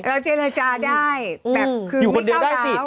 เราเจรจาได้แบบคือไม่เข้าแล้วอยู่คนเดียวได้สิ